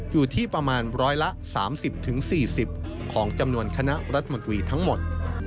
อยู่ที่ประมาณร้อยละ๓๐๔๐ของจำนวนคณะรัฐมนตรีทั้งหมด